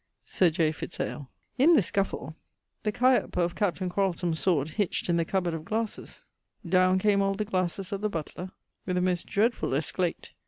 Sir J. Fitz ale. In this scuffle the chiape of Capt. Quarelsome's sword hitcht in the cubboard of glasses: downe came all the glasses of the butler with a most dreadfull esclate.